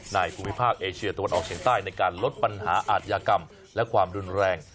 ภูมิภาคเอเชียตะวันออกเฉียงใต้ในการลดปัญหาอาทยากรรมและความรุนแรง